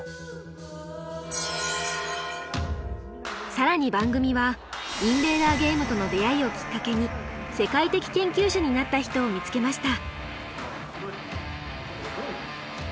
更に番組はインベーダーゲームとの出会いをきっかけに世界的研究者になった人を見つけました。